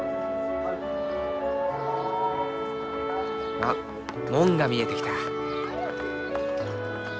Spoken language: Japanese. あっ門が見えてきた。